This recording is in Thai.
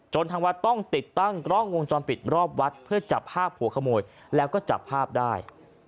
ทางวัดต้องติดตั้งกล้องวงจรปิดรอบวัดเพื่อจับภาพหัวขโมยแล้วก็จับภาพได้